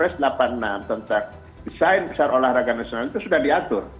res delapan puluh enam tentang desain besar olahraga nasional itu sudah diatur